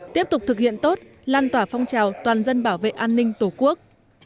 tiếp tục thực hiện tốt lan tỏa phong trào toàn dân bảo vệ an ninh tổ quốc